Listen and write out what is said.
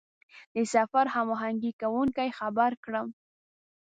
د سفر هماهنګ کوونکي خبر کړم.